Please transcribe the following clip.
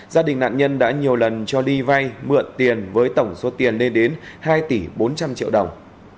gia đình nạn nhân đã nhiều lần cho ly vay mượn tiền với tổng số tiền lên đến hai tỷ bốn trăm linh triệu đồng